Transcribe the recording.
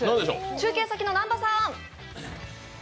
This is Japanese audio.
中継先の南波さん。